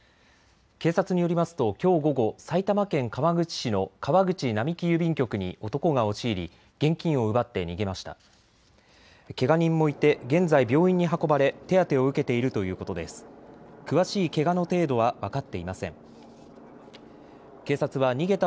警察によりますときょう午後、埼玉県川口市の川口並木郵便局に男が押し入り現金を奪って逃げました。